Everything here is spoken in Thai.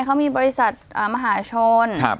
เขามีบริษัทมหาชน